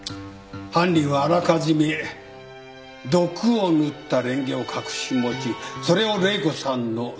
犯人はあらかじめ毒を塗ったれんげを隠し持ちそれを玲子さんの席に置いたんです。